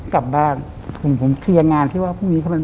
กลับบ้านผมเคลียร์งานที่ว่าพรุ่งนี้